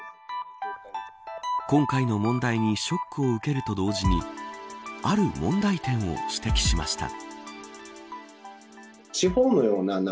今回の問題にショックを受けると同時にある問題点を指摘しました。